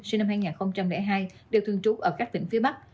sinh năm hai nghìn hai đều thường trú ở các tỉnh phía bắc